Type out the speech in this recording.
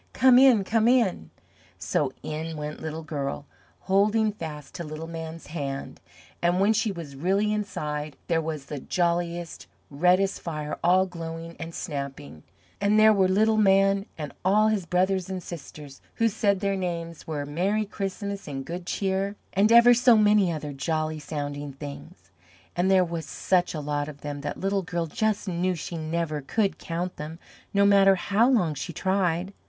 Come in! Come in!" So in went Little Girl, holding fast to Little Man's hand, and when she was really inside there was the jolliest, reddest fire all glowing and snapping, and there were Little Man and all his brothers and sisters, who said their names were "Merry Christmas," and "Good Cheer," and ever so many other jolly sounding things, and there were such a lot of them that Little Girl just knew she never could count them, no matter how long she tried.